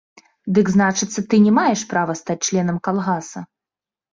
Дык, значыцца, ты не маеш права стаць членам калгаса.